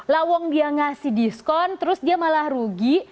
lawong dia ngasih diskon terus dia malah rugi